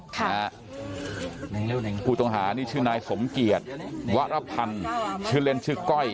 ผู้ต้องหานี่ชื่อนายสมเกียจวรพันธ์ชื่อเล่นชื่อก้อย